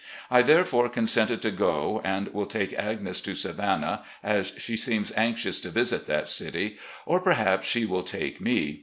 I therefore consented to go, and will take Agnes to Savannah, as she seems anxious to visit that city, or, perhaps, she will take me.